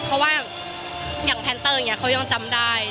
เพราะว่าอย่างแท้นเตอร์เขายังจำได้